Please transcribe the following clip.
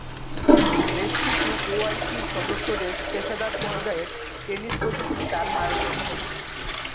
বেশকিছু ওআইসির সদস্য দেশ পেশাদার পর্যায়ের টেনিস প্রতিযোগিতার আয়োজন করে।